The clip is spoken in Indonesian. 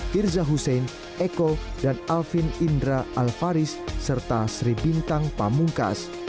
tirza husein eko dan alvin indra alfaris serta sri bintang pamungkas